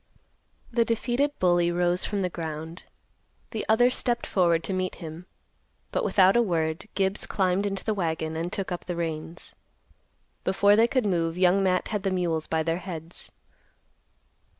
The defeated bully rose from the ground. The other stepped forward to meet him. But without a word, Gibbs climbed into the wagon and took up the reins. Before they could move, Young Matt had the mules by their heads.